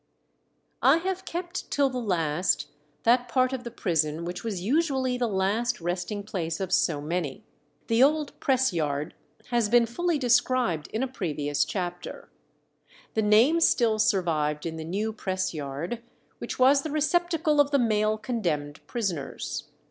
I have kept till the last that part of the prison which was usually the last resting place of so many. The old press yard has been fully described in a previous chapter. The name still survived in the new press yard, which was the receptacle of the male condemned prisoners.